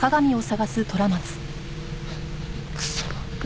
クソ！